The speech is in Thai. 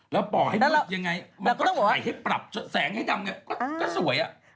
แล้วเพราะให้ดูยังไงมันก็ถ่ายให้ปรับแสงให้ดำเนี่ยก็สวยอะ